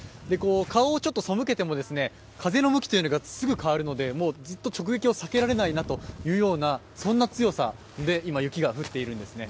顔をちょっとそむけても風の向きがすぐ変わるのでずっと直撃を避けられないような強さで今雪が降っているんですね。